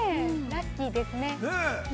◆ラッキーですね。